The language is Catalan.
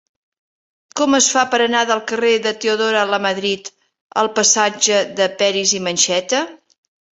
Com es fa per anar del carrer de Teodora Lamadrid al passatge de Peris i Mencheta?